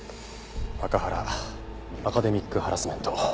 アカハラアカデミックハラスメント。